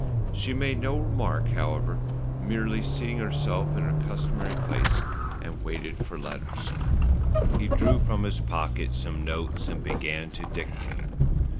She made no remark, however, merely seating herself in her customary place and waited for letters. He drew from his pocket some notes and began to dictate.